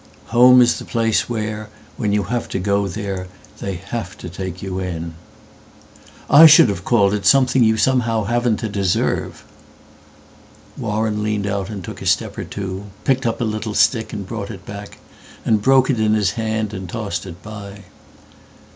"Home is the place where, when you have to go there, They have to take you in.""I should have called itSomething you somehow haven't to deserve."Warren leaned out and took a step or two, Picked up a little stick, and brought it backAnd broke it in his hand and tossed it by.